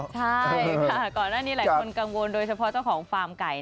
ใช่ค่ะก่อนหน้านี้หลายคนกังวลโดยเฉพาะเจ้าของฟาร์มไก่